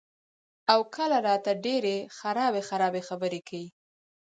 او کله راته ډېرې خرابې خرابې خبرې کئ " ـ